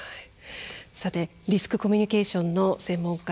さてリスクコミュニケーションの専門家